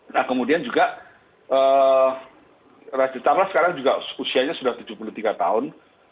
nah kemudian juga raja tamlah sekarang juga usianya sudah tujuh puluh tiga tahun